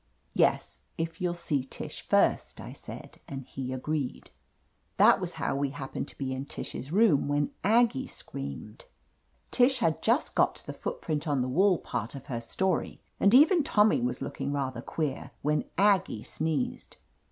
"Yes, if you'll see Tish first," I said, and he agreed. That was how we happened to be in Tish's room when Aggie screamed. Tish had just 57 1 THE AMAZING ADVENTURES got to the footprint on the wall part of her story, and even Tommy was looking rather queer, when Aggie sneezed.